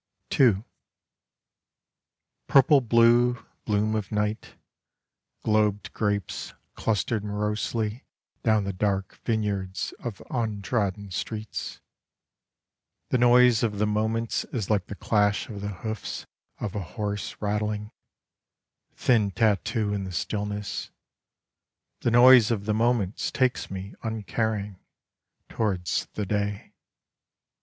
II Purple blue bloom of night, Globed grapes clustered morosely Down the dark vineyards of untrodden streets: The noise of the moments is like the clash of the hoofs of a horse rattling, Thin tattoo in the stillness: The noise of the moments takes me, uncaring, Towards the day.